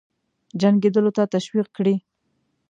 جنګېدلو ته تشویق کړي.